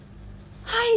はい。